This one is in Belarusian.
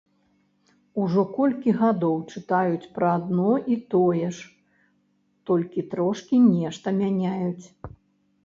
Ужо колькі гадоў чытаюць пра адно і тое ж, толькі трошкі нешта мяняюць.